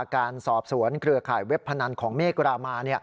การสอบสวนเครือข่ายเว็บพนันของเมฆรามา